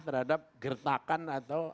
terhadap gertakan atau